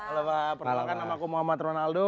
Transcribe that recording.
halo pak perkenalkan nama ku muhammad ronoaldo